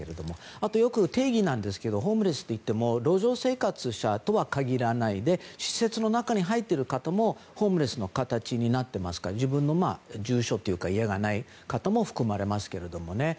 あと、定義ですがホームレスっていっても路上生活者とは限らないで施設の中に入っている方もホームレスの形になっていますから自分の住所というか家がない方も含まれますけどね。